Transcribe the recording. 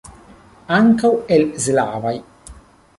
Ankaŭ el slavaj.